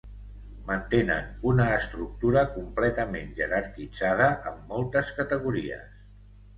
Mantenen una estructura completament jerarquitzada amb moltes categories.